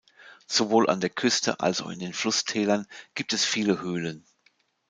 Sowohl an der Küste als auch in den Flusstälern gibt es viele Höhlen.